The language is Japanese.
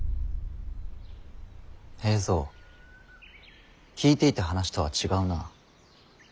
平三聞いていた話とは違うな。